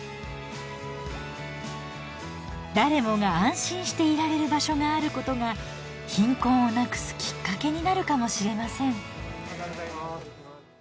誰もが安心していられる場所があることが貧困をなくすきっかけになるかもしれません。